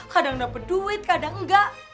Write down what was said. kadang dapat duit kadang enggak